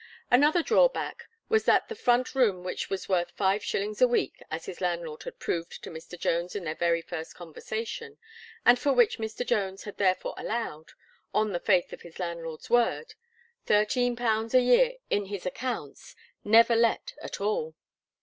Another drawback was that the front room which was worth five shillings a week, as his landlord had proved to Mr. Jones in their very first conversation, and for which Mr. Jones had therefore allowed on the faith of his landlord's word thirteen pounds a year in his accounts never let at all.